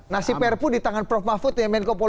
nasib perpu di tangan prof mahfud yang main kopolu